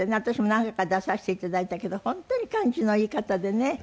私も何回か出させて頂いたけど本当に感じのいい方でね。